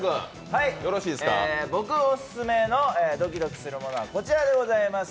僕オススメのドキドキするものはこちらでございます。